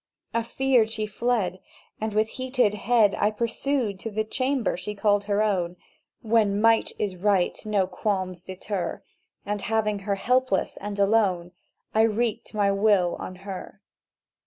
"Afeard she fled, and with heated head I pursued to the chamber she called her own; —When might is right no qualms deter, And having her helpless and alone I wreaked my will on her.